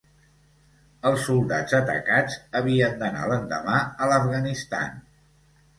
Els soldats atacats havien d'anar l'endemà a l'Afganistan.